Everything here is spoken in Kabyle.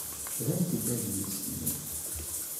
Rrant-d adlis-nni.